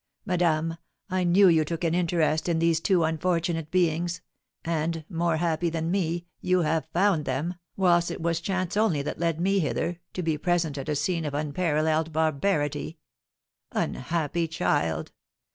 Madame, I knew you took an interest in these two unfortunate beings, and, more happy than me, you have found them, whilst it was chance only that led me hither, to be present at a scene of unparalleled barbarity. Unhappy child!